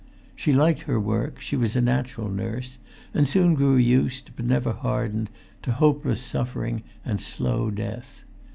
She liked her work; she was a natural nurse, and soon grew used, but never hardened, to hopeless suffering and slow death.